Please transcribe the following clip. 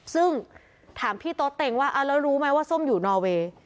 ซึ่งถามพี่โต๊ะเต็งว่าแล้วรู้ไหมว่าส้มอยู่นอเวย์